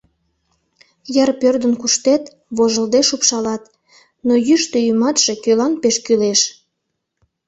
Йыр пӧрдын куштет, вожылде шупшалат, Но йӱштӧ ӱматше кӧлан пеш кӱлеш?